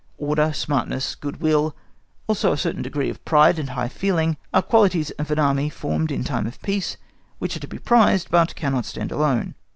Order, smartness, good will, also a certain degree of pride and high feeling, are qualities of an Army formed in time of peace which are to be prized, but cannot stand alone.